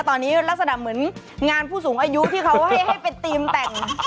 ตอนนี้ลักษณะเหมือนงานผู้สูงอายุที่เขาให้เป็นธีมแต่ง